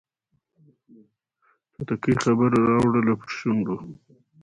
توتکۍ خبره راوړله پر شونډو